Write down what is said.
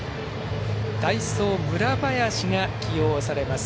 代走、村林が起用されます。